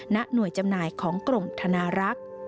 ณหน่วยจำหน่ายของกรมธนารักษ์